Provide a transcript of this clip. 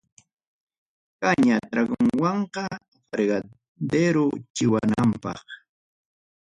Caña tragonwan fregaderochiwanampaq.